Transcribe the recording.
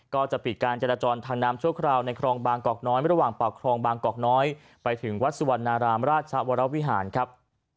ก็จะปิดการจราจรทางน้ำชั่วคราวในครองบางกอกน้อยระหว่างปากครองบางกอกน้อยไปถึงวัดสุวรรณรามราชวรวิหารครับ